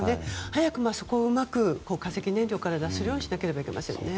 早く、そこをうまく化石燃料から脱するようにしなければいけませんね。